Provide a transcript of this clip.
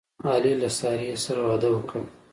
علي له سارې سره واده وکړ.